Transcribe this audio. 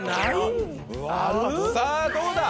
さぁどうだ？